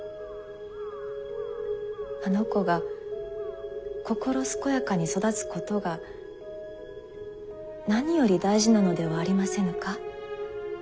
あの子が心健やかに育つことが何より大事なのではありませぬか？